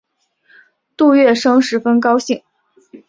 杜月笙十分高兴。